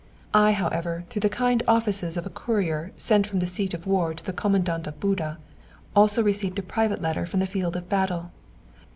I, however, through the kind offices of a courier sent from the seat of war to the Commandant of Buda, also received a private letter from the field of battle.